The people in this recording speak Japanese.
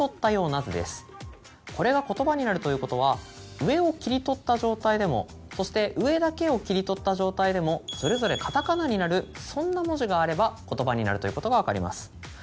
これが言葉になるということは上を切り取った状態でもそして上だけを切り取った状態でもそれぞれカタカナになるそんな文字があれば言葉になるということが分かります。